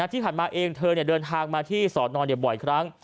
ที่ผ่านมาเองเธอเดินทางมาที่สอนอนบ่อยครั้ง